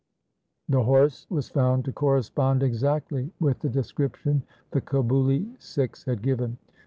2 The horse was found to correspond exactly with the description the Kabuli Sikhs had given.